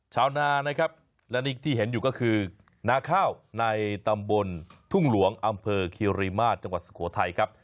ชาวนานะครับและนี่ที่เห็นอยู่ก็คือนาข้าวในตำบลทุ่งหลวงอำเภอคิริมาตรจังหวัดสุโขทัยครับ